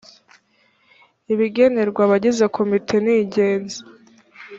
ibigenerwa abagize komite ningenzi.